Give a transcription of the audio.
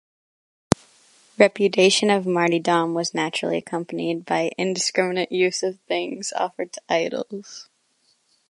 Repudiation of martyrdom was naturally accompanied by indiscriminate use of things offered to idols.